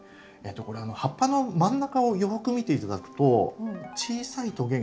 これ葉っぱの真ん中をよく見て頂くと小さいトゲが。